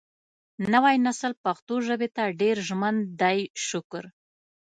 نوی نسل پښتو ژبې ته ډېر ژمن دی شکر